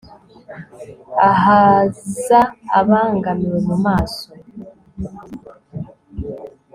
Ahaza abangamiwe mu maso